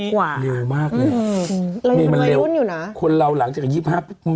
น้องเฮียเราอายุ๓๐กว่าอะอย่างนี้เร็วมากเลย